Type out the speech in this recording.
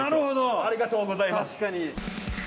ありがとうございます。